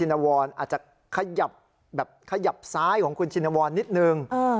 หรือว่าคุณจินวรอาจจะขยับซ้ายของคุณจินวรนิดนึง